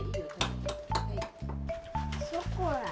ショコラ。